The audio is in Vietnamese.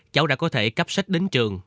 cháu đã có thể cắp sách đến trường